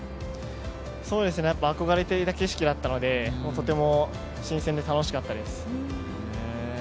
憧れていた景色だったので、とても新鮮で楽しかったです。